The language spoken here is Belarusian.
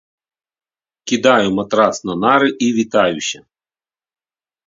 Кідаю матрац на нары і вітаюся.